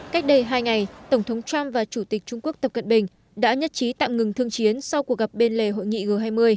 cách đây hai ngày tổng thống trump và chủ tịch trung quốc tập cận bình đã nhất trí tạm ngừng thương chiến sau cuộc gặp bên lề hội nghị g hai mươi